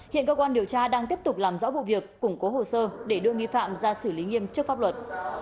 hiện cơ quan điều tra đang tiếp tục làm rõ vụ việc củng cố hồ sơ để đưa nghi phạm ra xử lý nghiêm trước pháp luật